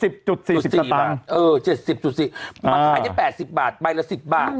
เพราะมากขายงั้น๘๐บาทใบละ๑๐บาท